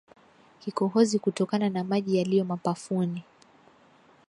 Kikohozi kutokana na maji yaliyo mapafuni